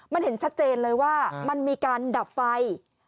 มันเห็นชัดเจนเลยว่ามันมีการดับไฟ